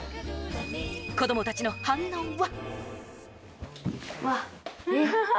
子供たちの反応は。